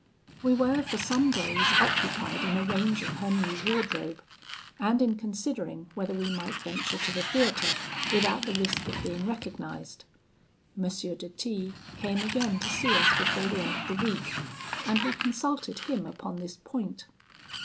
We were for some days occupied in arranging her new wardrobe, and in considering whether we might venture to the theatre without the risk of being recognised. M. de T came again to see us before the end of the week, and we consulted him upon this point.